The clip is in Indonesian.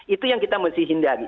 itu yang kita mesti hindari